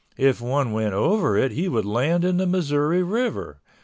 If one went over it he would land in the Missouri River.